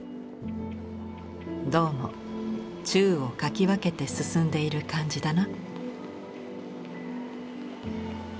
どうも宙を掻き分けて進んでいる感じだな」。